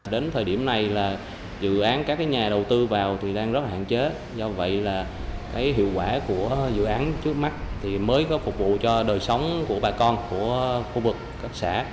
đến thời điểm này là dự án các nhà đầu tư vào thì đang rất hạn chế do vậy là hiệu quả của dự án trước mắt thì mới có phục vụ cho đời sống của bà con của khu vực các xã